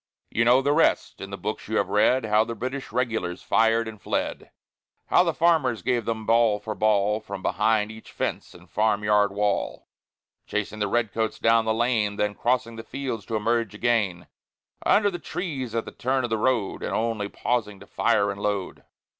You know the rest. In the books you have read, How the British Regulars fired and fled, How the farmers gave them ball for ball, From behind each fence and farm yard wall, Chasing the red coats down the lane, Then crossing the fields to emerge again Under the trees at the turn of the road, And only pausing to fire and load.